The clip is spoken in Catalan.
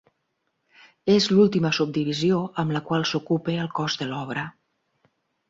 És l'última subdivisió amb la qual s'ocupa el cos de l'obra.